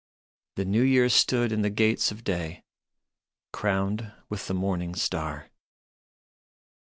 The New Year stood in the gates of day, Crowned with the morning star.